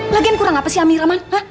lagian kurang apa sih amirah man